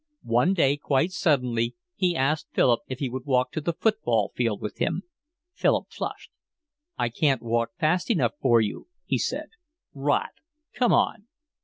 One day, quite suddenly, he asked Philip if he would walk to the football field with him. Philip flushed. "I can't walk fast enough for you," he said. "Rot. Come on."